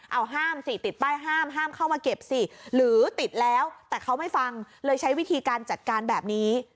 เอาห้ามสิติดป้ายห้ามห้ามเข้ามาเก็บสิหรือติดแล้วแต่เขาไม่ฟังเลยใช้วิธีการจัดการแบบนี้